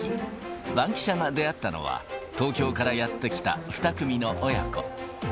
バンキシャが出会ったのは、東京からやって来た２組の親子。